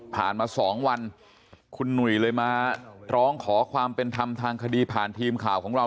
มา๒วันคุณหนุ่ยเลยมาร้องขอความเป็นธรรมทางคดีผ่านทีมข่าวของเรา